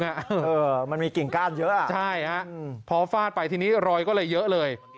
เออมันมีกิ่งก้านเยอะอ่ะใช่ฮะพอฟาดไปทีนี้รอยก็เลยเยอะเลย